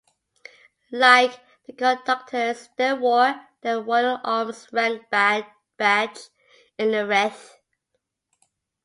Like the conductors, they wore their royal arms rank badge in a wreath.